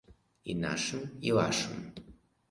І нашым, і вашым.